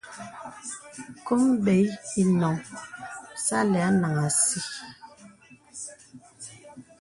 Kôm bə̀s inôŋ məsà àlə̀ anàŋha àsī.